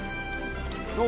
どう？